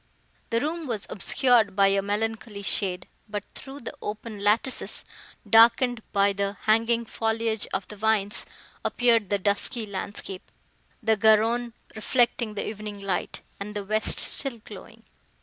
The room was obscured by a melancholy shade; but through the open lattices, darkened by the hanging foliage of the vines, appeared the dusky landscape, the Garonne reflecting the evening light, and the west still glowing.